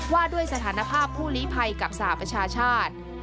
ว่าด้วยสถานภาพผู้ลีภัยกับสหประชาชาติ